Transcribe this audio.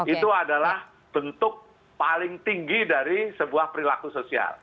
itu adalah bentuk paling tinggi dari sebuah perilaku sosial